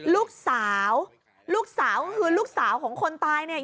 ลูกสาวลูกสาวก็คือลูกสาวของคนตายเนี่ย